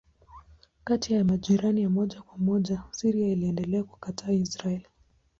Kati ya majirani ya moja kwa moja Syria iliendelea kukataa Israeli.